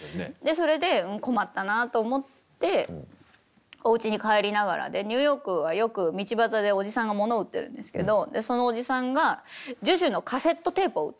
それで困ったなあと思っておうちに帰りながらでニューヨークはよく道ばたでおじさんがものを売ってるんですけどそのおじさんが「ＪＵＪＵ」のカセットテープを売ってたんですよ。